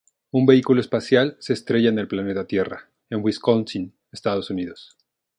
Un vehículo espacial se estrella en el planeta Tierra, en Wisconsin, Estados Unidos.